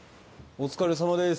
お疲れさまです。